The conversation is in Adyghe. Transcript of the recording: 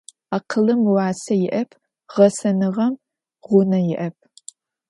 Akhılım vuase yi'ep, ğesenığem ğune yi'ep.